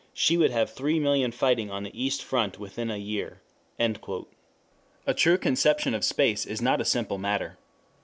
she would have 3,000,000 fighting on the East front within a year."] 3 A true conception of space is not a simple matter.